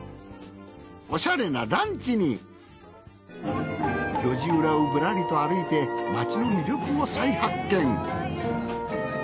おしゃれなランチに路地裏をぶらりと歩いてまちの魅力を再発見。